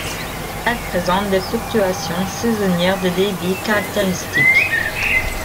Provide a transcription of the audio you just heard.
Elle présente des fluctuations saisonnières de débit caractéristiques.